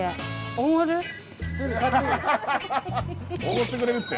おごってくれるって。